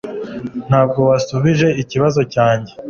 Ntabwo wasubije ikibazo cyanjye